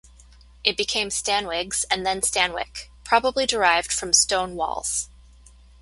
It became Stanwigs and then Stanwick, probably derived from 'stone walls'.